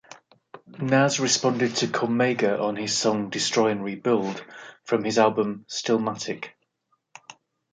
Nas responded to Cormega on his song "Destroy and Rebuild" from his album "Stillmatic".